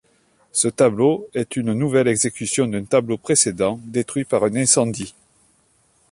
Ce tableau est une nouvelle exécution d'un tableau précédent détruit par un incendie.